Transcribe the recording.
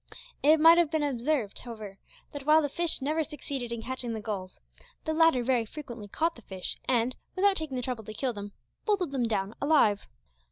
It might have been observed, however, that while the fish never succeeded in catching the gulls, the latter very frequently caught the fish, and, without taking the trouble to kill them, bolted them down alive.